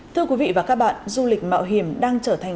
thưa quý vị và các bạn du lịch mạo hiểm đang trở thành